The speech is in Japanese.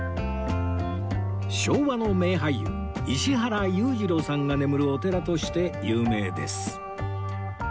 昭和の名俳優石原裕次郎さんが眠るお寺として有名です